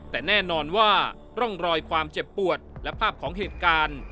แต่แน่นอนว่าร่องรอยความเจ็บปวดและภาพของเหตุการณ์